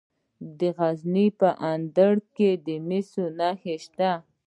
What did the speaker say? د غزني په اندړ کې د مسو نښې شته.